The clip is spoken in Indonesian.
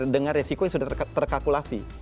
dengan resiko yang sudah terkalkulasi